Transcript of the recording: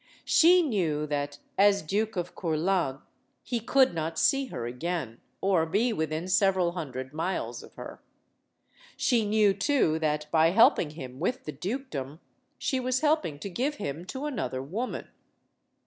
She knew that, as Duke of Courland, he could not see her again, or be within several hundred miles of her. She knew, too, that, by helping him with the dukedom, she was helping to give him to another woman.